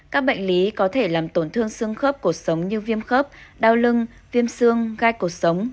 các bệnh lý có thể làm tổn thương xương khớp cột sống như viêm khớp đau lưng viêm xương gai cột sống